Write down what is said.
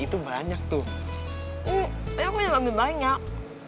tapi aku yang ambil banyak